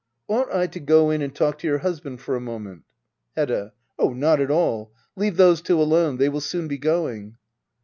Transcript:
Ought I to go in and talk to your husband for a moment } Hedda. Oh, not at all. Leave those two alone. They will soon be going.